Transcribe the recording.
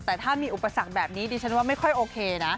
แต่ถ้ามีอุปสรรคแบบนี้ดิฉันว่าไม่ค่อยโอเคนะ